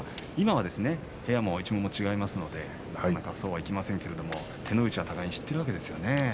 今は部屋も一門も違いますのでなかなかそうはいきませんけれど手の内は互いに知っているわけですね。